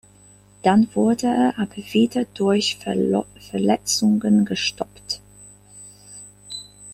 Dann wurde er aber wieder durch Verletzungen gestoppt.